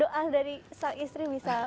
doa dari saistri bisa mendukung